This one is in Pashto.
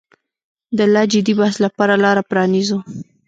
د لا جدي بحث لپاره لاره پرانیزو.